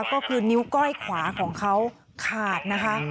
ก็คือนิ้วก้อยขวาของเขาขาดนะคะ